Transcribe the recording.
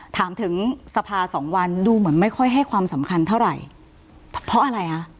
ถามถึงสภาสองวันดูเหมือนไม่ค่อยให้ความสำคัญเท่าไหร่เพราะอะไรคะ